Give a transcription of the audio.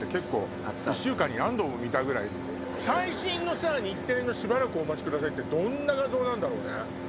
最新の日テレの「しばらくお待ちください」ってどんな画像なんだろうね？